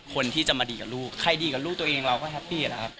คนที่จะมาดีกับลูกใครดีกับลูกตัวเองเราก็แฮปปี้แล้วครับ